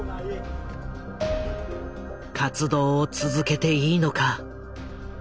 活動を続けていいのか。